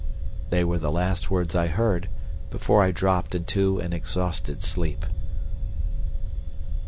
They were the last words I heard before I dropped into an exhausted sleep.